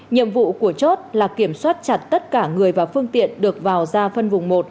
nhiệm vụ của chốt là kiểm soát chặt tất cả người và phương tiện được vào ra phân vùng một